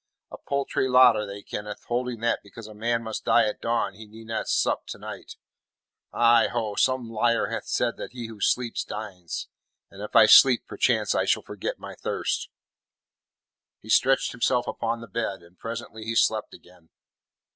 A paltry lot are they, Kenneth, holding that because a man must die at dawn he need not sup to night. Heigho! Some liar hath said that he who sleeps dines, and if I sleep perchance I shall forget my thirst." He stretched himself upon the bed, and presently he slept again.